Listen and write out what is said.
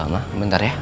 mama bentar ya